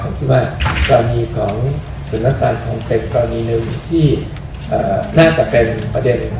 ผมคิดว่ากรณีของสถานการณ์คงเป็นกรณีหนึ่งที่น่าจะเป็นประเด็น